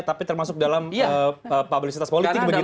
tapi termasuk dalam publisitas politik begitu